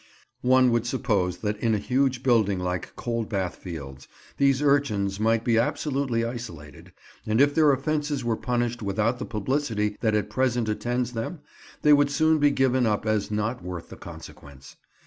One would suppose that in a huge building like Coldbath Fields these urchins might be absolutely isolated, and if their offences were punished without the publicity that at present attends them, they would soon be given up as not worth the consequence.